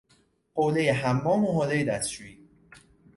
حوله حمام و حوله دستشویی